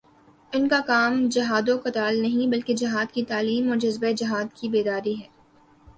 ان کا کام جہاد و قتال نہیں، بلکہ جہادکی تعلیم اور جذبۂ جہاد کی بیداری ہے